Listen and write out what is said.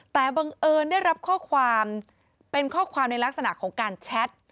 แต่บังเอิญได้รับข้อความเป็นข้อความในลักษณะของการแชท